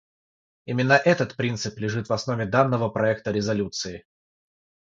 Именно этот принцип лежит в основе данного проекта резолюции.